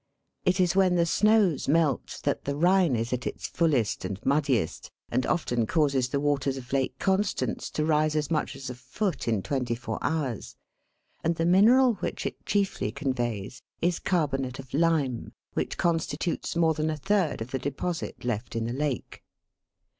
It is when the snows melt that the Rhine is at its fullest and muddiest, and often causes the waters of Lake Constance to rise as much as a foot in twenty four hours, and the mineral which it chiefly conveys is carbonate of lime, which constitutes more than a third of the deposit left in the lake.